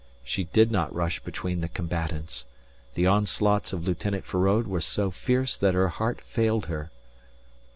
She did not rush between the combatants. The onslaughts of Lieutenant Feraud were so fierce that her heart failed her.